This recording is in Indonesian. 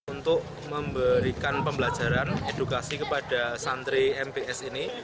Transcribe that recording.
untuk memberikan pembelajaran edukasi kepada santri mps ini